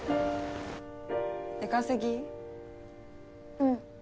うん。